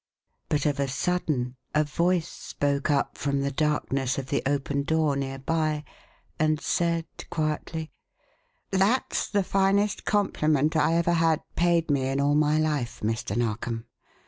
But of a sudden a voice spoke up from the darkness of the open door near by and said quietly: "That's the finest compliment I ever had paid me in all my life, Mr. Narkom.